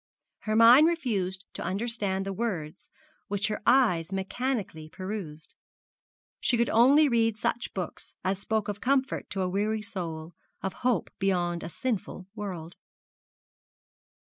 Her mind refused to understand the words which her eyes mechanically perused. She could only read such books as spoke of comfort to a weary soul, of hope beyond a sinful world.